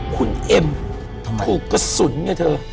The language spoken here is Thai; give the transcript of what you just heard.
คุณเอ็มถูกกระสุนไงเธอ